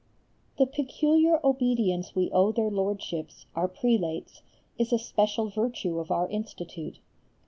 The peculiar obedience we owe their Lordships, our prelates, is a special virtue of our Institute.